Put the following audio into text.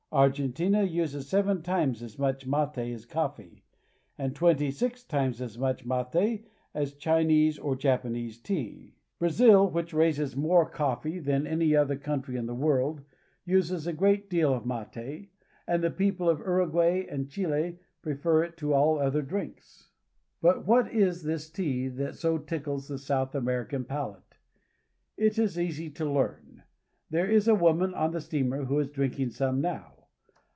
Argentina uses seven times as much mate as coffee, and twenty six times as much mate as Chinese or Japanese tea. Brazil, which raises more coffee than any other country in the world, uses a great deal of mate, and the people of Uruguay and Chile prefer it to all other drinks. » But what is this tea that so tickles the South American palate? It is easy to learn. There is a woman on the steamer who is drinking some now.